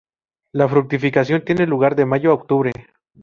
La fructificación tiene lugar de mayo a octubre.